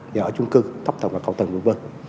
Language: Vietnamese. nhà ở chung cư thấp tầng và cao tầng v v